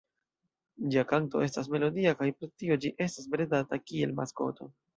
Ĝia kanto estas melodia kaj pro tio ĝi estas bredata kiel maskoto.